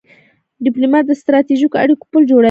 ډيپلومات د ستراتیژیکو اړیکو پل جوړوي.